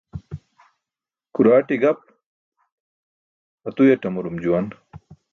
Kuraaṭi gap atuyaṭamurum juwan.